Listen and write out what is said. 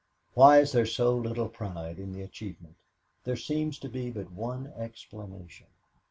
"Why is there so little pride in the achievement? There seems to be but one explanation.